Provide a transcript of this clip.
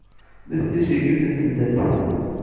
Nitni seg yiwet n taddart.